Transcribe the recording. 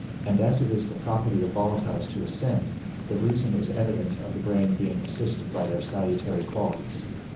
And as it is the property of volatiles to ascend, the reason is evident of the brain being assisted by their salutary qualities.